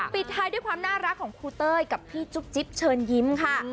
ปิดท้ายด้วยความน่ารักของครูเต้ยกับพี่จุ๊บจิ๊บเชิญยิ้มค่ะ